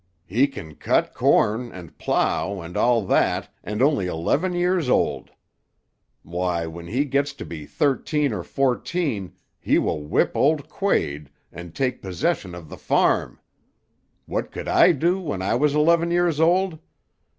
"He can cut corn, and plough, and all that, and only eleven years old. Why, when he gets to be thirteen or fourteen he will whip old Quade, and take possession of the farm! What could I do when I was eleven years old?